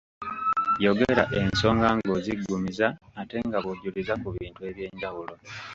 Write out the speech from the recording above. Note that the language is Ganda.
Yogera ensonga ng'oziggumiza ate nga bw'ojuliza ku bintu eby'enjawulo.